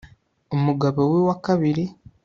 umugabo we wa kabiri